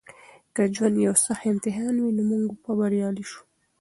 که ژوند یو سخت امتحان وي نو موږ به بریالي شو.